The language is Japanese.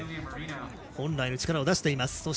本来の力を出しています。